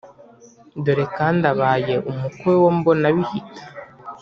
dore kandi abaye umukwe wa mbonabihita.